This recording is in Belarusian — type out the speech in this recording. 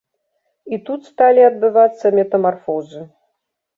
І тут сталі адбывацца метамарфозы.